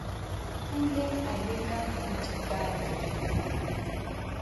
Pule a leka go di kapa.